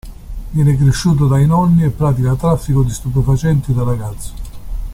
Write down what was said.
Viene cresciuto dai nonni e pratica traffico di stupefacenti da ragazzo.